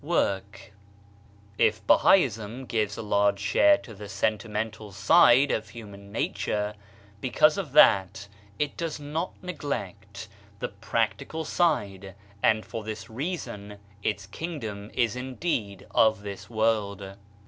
WORK If Bahaism gives a large share to the sentimental side of human nature, because of that it does not neglect the practical side, and for this reason its kingdom is indeed of this world.